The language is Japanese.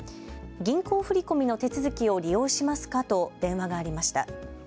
銀行振り込みの手続きを利用しますかと電話がありました。